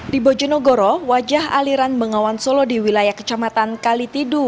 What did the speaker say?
di bojonegoro wajah aliran bengawan solo di wilayah kecamatan kalitidu